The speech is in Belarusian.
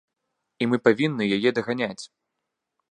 І мы павінны яе даганяць.